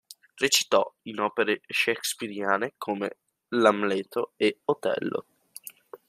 Recitò in opere shakespeariane come l"'Amleto" e "Otello".